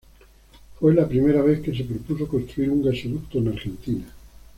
Fue la primera vez que se propuso construir un gasoducto en Argentina.